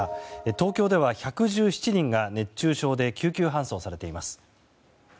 東京では１１７人が熱中症で救急搬送されています。